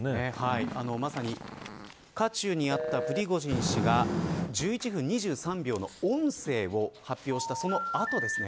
まさに渦中にあったプリゴジン氏が１１分２３秒の音声を発表したその後ですね。